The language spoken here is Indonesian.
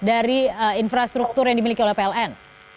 dari infrastruktur yang dimiliki oleh pln